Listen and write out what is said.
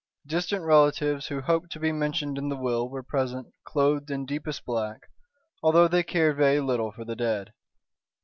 Distant relatives who hoped to be mentioned in the will were present clothed in deepest black, although they cared very little for the dead.